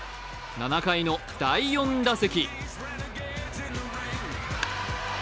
７回の第４打席。